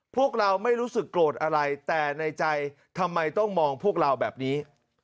พวกเราไม่รู้สึกโกรธอะไรแต่ในใจทำไมต้องมองพวกเราแบบนี้